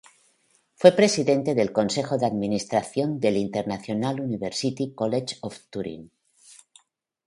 Fue presidente del Consejo de administración del International University College of Turin.